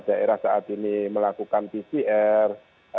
daerah saat ini melakukan pcr